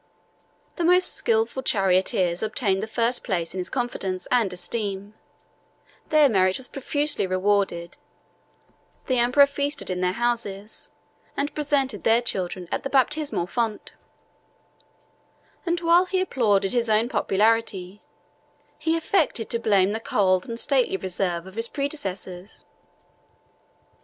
The most skilful charioteers obtained the first place in his confidence and esteem; their merit was profusely rewarded; the emperor feasted in their houses, and presented their children at the baptismal font; and while he applauded his own popularity, he affected to blame the cold and stately reserve of his predecessors.